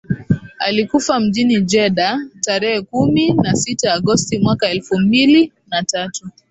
Alikufa mjini Jeddah tarehe kumi na sita Agosti mwaka elfu mbili na tatu